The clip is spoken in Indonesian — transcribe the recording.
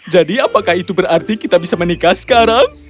jadi apakah itu berarti kita bisa menikah sekarang